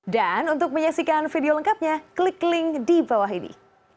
dan untuk menyaksikan video lengkapnya klik link di bawah ini